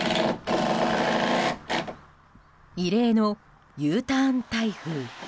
異例のＵターン台風。